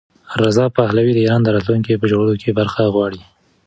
رضا پهلوي د ایران د راتلونکي په جوړولو کې برخه غواړي.